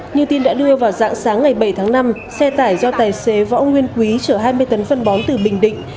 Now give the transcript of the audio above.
như tin đã đưa vào dạng sáng ngày bảy tháng năm xe tải do tài xế võ nguyên quý chở hai mươi tấn phân bón từ bình định